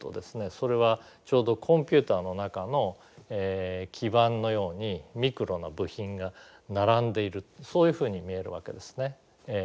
それはちょうどコンピューターの中の基板のようにミクロな部品が並んでいるそういうふうに見えるわけですね。